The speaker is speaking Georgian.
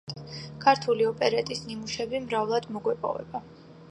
ქართული ოპერეტის ნიმუშები მრავლად მოგვეპოვება.